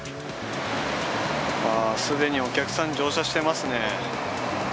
すでにお客さん乗車してますね。